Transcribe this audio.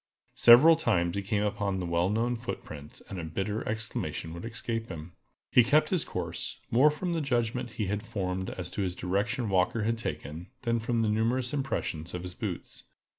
Several times he came upon the well known footprints, and a bitter exclamation would escape him. He kept his course, more from the judgment he had formed as to the direction Walker had taken, than from the numerous impressions of his boots.